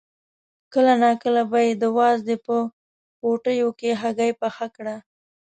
کله ناکله به یې د وازدې په پوټیو کې هګۍ پخه کړه.